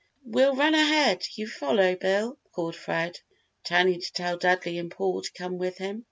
"We'll run ahead, you follow, Bill!" called Fred, turning to tell Dudley and Paul to come with him.